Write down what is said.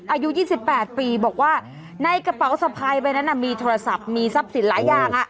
อายุ๒๘ปีบอกว่าในกระเป๋าสะพายใบนั้นมีโทรศัพท์มีทรัพย์สินหลายอย่าง